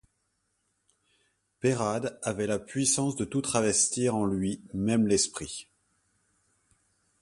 Peyrade avait la puissance de tout travestir en lui, même l’esprit.